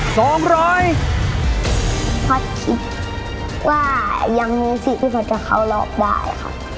พอร์ชคิดว่ายังมีสิทธิ์ที่พอร์ชจะเคารอบได้ครับ